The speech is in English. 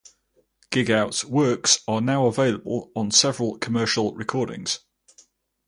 Gigout's works are now available on several commercial recordings.